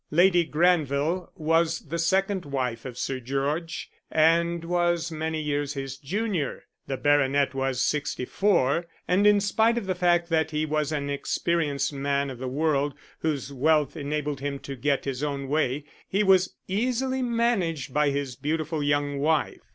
Lady Granville was the second wife of Sir George, and was many years his junior. The baronet was sixty four, and in spite of the fact that he was an experienced man of the world, whose wealth enabled him to get his own way, he was easily managed by his beautiful young wife.